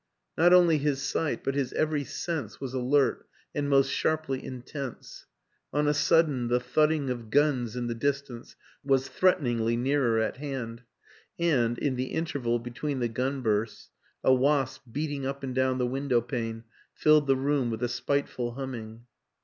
Not only his sight but his every sense was alert and most sharply intense; on a sudden the thudding of guns in the distance was threateningly nearer at hand, and, in the interval between the gun bursts, a wasp beating up and down the win dow pane filled the room with a spiteful hum ming.